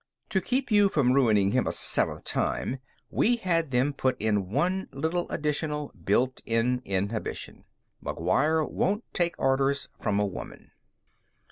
"To keep you from ruining him a seventh time, we had them put in one little additional built in inhibition. McGuire won't take orders from a woman."